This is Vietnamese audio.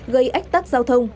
gây ách tắc giao thông